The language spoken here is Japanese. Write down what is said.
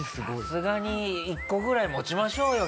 さすがに１個ぐらい持ちましょうよ